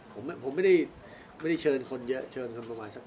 ผมไม่ได้เชิญคนเยอะเชิญคนประมาณสัก